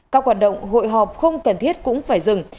các hoạt động hội họp không cần thiết cũng phải dừng